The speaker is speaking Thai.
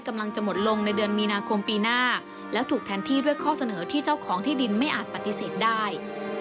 กำลังจะหมดลงในเดือนมีนาคมปีหน้าและถูกแทนที่ด้วยข้อเสนอที่เจ้าของที่ดินไม่อาจปฏิเสธได้